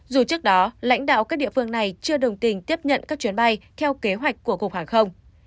dù trước đó lãnh đạo các địa phương này chưa đồng tình tiếp nhận các chuyến bay theo kế hoạch của cục hàng không